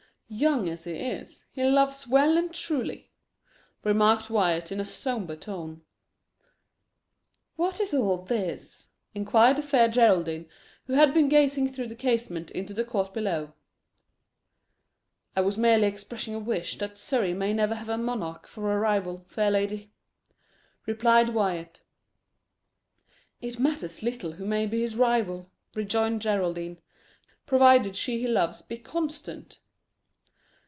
"Young as he is, he loves well and truly," remarked Wyat, in a sombre tone. "What is all this?" inquired the Fair Geraldine, who had been gazing through the casement into the court below. "I was merely expressing a wish that Surrey may never have a monarch for a rival, fair lady," replied Wyat. "It matters little who may be his rival," rejoined Geraldine, "provided she he loves be constant."